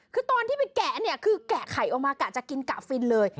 คือตอนที่ไปแกะเนี่ยคือแกะไข่ออกมากะจะกินกะฟินเลย